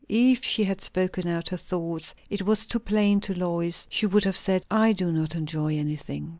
If she had spoken out her thoughts, it was too plain to Lois, she would have said, "I do not enjoy anything."